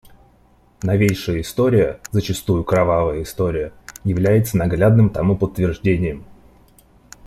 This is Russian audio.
Новейшая история, зачастую кровавая история, является наглядным тому подтверждением.